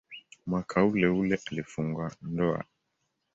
Mwaka uleule alifunga ndoa.